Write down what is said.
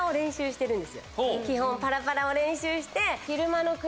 基本パラパラを練習して。